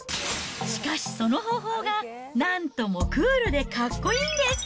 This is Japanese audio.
しかし、その方法がなんともクールでかっこいいんです。